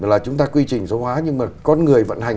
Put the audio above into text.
là chúng ta quy trình số hóa nhưng mà con người vận hành